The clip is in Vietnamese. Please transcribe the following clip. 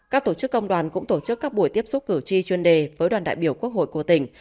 các tổ chức công đoàn cũng tổ chức các buổi tiếp xúc cử tri chuyên đề với đoàn đại biểu quốc hội của tỉnh